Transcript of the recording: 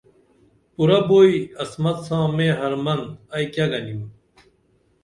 پُرہ بوئی عصمت ساں میں حرمن ائی کیہ گنِم